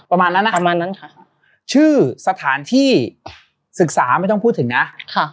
ประมาณนั้นนะคะประมาณนั้นค่ะชื่อสถานที่ศึกษาไม่ต้องพูดถึงนะค่ะ